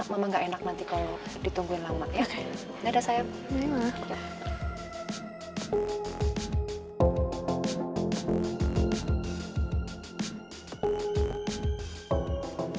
mama gak enak nanti kalo ditungguin lama